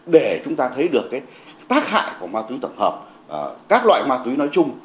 để chúng ta thấy được tác hại của ma túy tổng hợp các loại ma túy nói chung